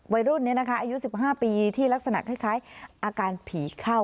วัยรุ่นนี้นะคะอายุ๑๕ปีที่ลักษณะคล้ายอาการผีเข้า